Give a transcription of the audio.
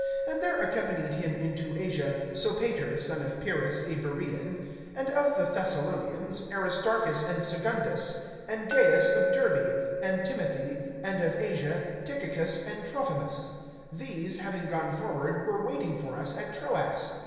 (4)And there accompanied him unto Asia, Sopater, son of Pyrrhus, a Beroean; and of the Thessalonians, Aristarchus and Secundus; and Gaius of Derbe, and Timothy; and of Asia, Tychicus and Trophimus. (5)These, having gone forward, were waiting for us at Troas.